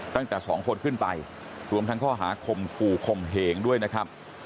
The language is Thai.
ตั้งแต่สองคนขึ้นไปรวมทั้งข้อหาคมคู่ข่มเหงด้วยนะครับ